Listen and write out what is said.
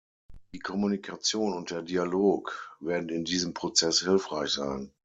Die Kommunikation und der Dialog werden in diesem Prozess hilfreich sein.